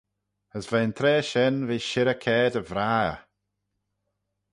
As veih'n traa shen v'eh shirrey caa dy vrah eh.